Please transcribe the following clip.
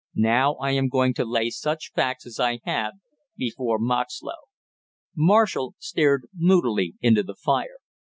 Now I am going to lay such facts as I have before Moxlow." Marshall stared moodily into the fire.